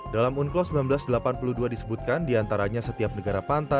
dalam unclos seribu sembilan ratus delapan puluh dua disebutkan diantaranya setiap negara pantai